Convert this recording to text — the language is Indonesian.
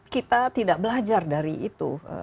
kita tidak belajar dari itu